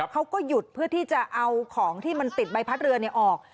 เขาก็หยุดเพื่อที่จะเอาของที่มันติดใบพัดเรือออก